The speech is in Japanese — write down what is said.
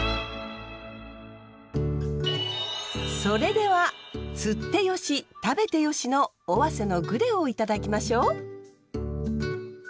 それでは釣ってよし食べてよしの尾鷲のグレをいただきましょう！